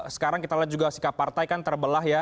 sekarang kita lihat juga sikap partai kan terbelah ya